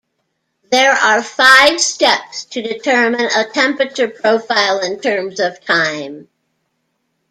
There are five steps to determine a temperature profile in terms of time.